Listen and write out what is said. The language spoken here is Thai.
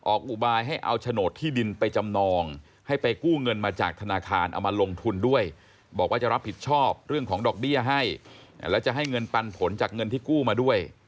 ออกอุบายให้เอาโฉนดที่ดินไปจำนองให้ไปกู้เงินมาจากธนาคารเอามาลงทุนด้วย